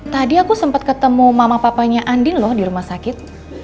tadi aku sempat ketemu mama papanya andi loh di rumah sakit